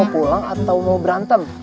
lo mau pulang atau mau berantem